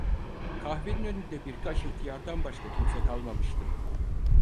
Kahvenin önünde birkaç ihtiyardan başka kimse kalmamıştı.